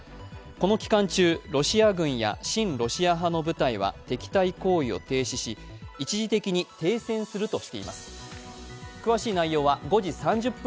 この期間中、ロシア軍や親ロシア派の部隊は敵対行為を停止し、一時的に停戦するとしています。